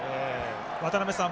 渡辺さん